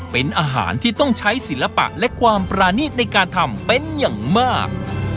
เป็นอาหารที่ต้องใช้ศิลปะและความปรานีตในการทำเป็นอย่างมาก